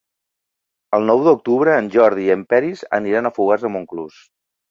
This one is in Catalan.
El nou d'octubre en Jordi i en Peris aniran a Fogars de Montclús.